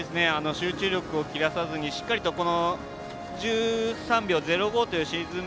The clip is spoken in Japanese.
集中力を切らさずにしっかりと１３秒０５というシーズン